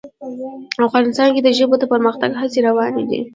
افغانستان کې د ژبو د پرمختګ هڅې روانې دي.